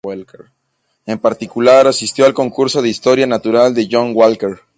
En particular, asistió al curso de historia natural de John Walker.